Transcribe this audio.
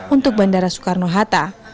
untuk bandara soekarno hatta